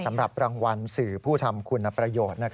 สำหรับรางวัลสื่อผู้ทำคุณประโยชน์